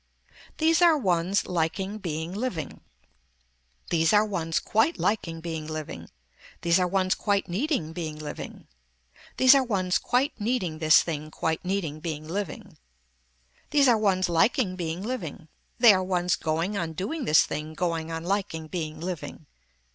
These are ones liking being living. These are ones quite liking being living. These are ones quite needing being living. These are ones quite needing this thing quite needing being living. These are ones liking being living. They are ones going on doing this thing going on liking being living.